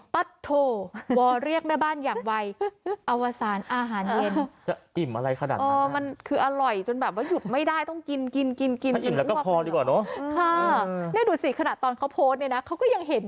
ปัดโถวอเรียกแม่บ้านอย่างไวอวสานอาหารเย็น